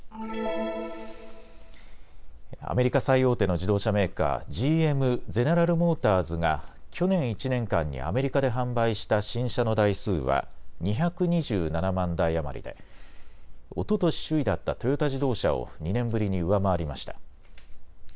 アメリカ最大手の自動車メーカー、ＧＭ・ゼネラル・モーターズが去年１年間にアメリカで販売した新車の台数は２２７万台余りでおととし首位だったトヨタ自動車を２年ぶりに上回りました。